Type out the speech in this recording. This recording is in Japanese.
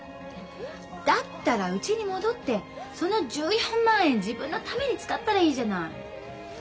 だったらうちに戻ってその１４万円自分のために使ったらいいじゃない。